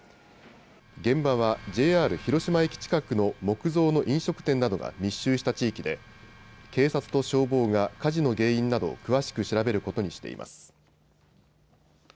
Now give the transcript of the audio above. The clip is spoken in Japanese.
現場はＪＲ広島駅近くの木造の飲食店などが密集した地域で警察と消防が火事の原因などを詳しく調べることにしています。